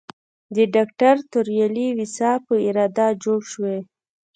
د ډاکټر توریالي ویسا په اراده جوړ شوی.